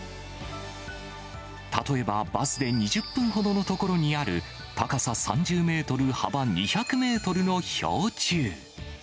例えば、バスで２０分ほどの所にある高さ３０メートル、幅２００メートルの氷柱。